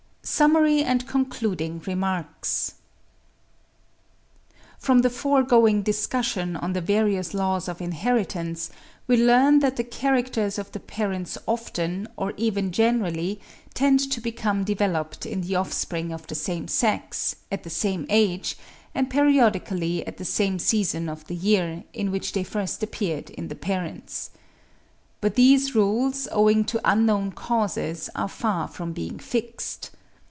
A SUMMARY AND CONCLUDING REMARKS. From the foregoing discussion on the various laws of inheritance, we learn that the characters of the parents often, or even generally, tend to become developed in the offspring of the same sex, at the same age, and periodically at the same season of the year, in which they first appeared in the parents. But these rules, owing to unknown causes, are far from being fixed.